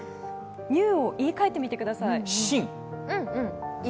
Ｎｅｗを言い換えてみてください。